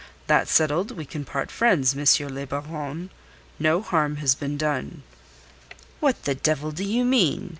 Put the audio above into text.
That settled, we can part friends, M. le Baron. No harm has been done." "What the devil do you mean?"